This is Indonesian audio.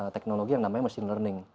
teknologi yang namanya mesin learning